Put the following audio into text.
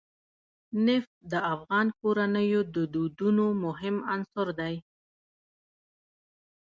نفت د افغان کورنیو د دودونو مهم عنصر دی.